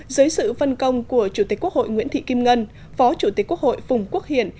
dưới sự phân công của chủ tịch quốc hội nguyễn thị kim ngân phó chủ tịch quốc hội phùng quốc hiển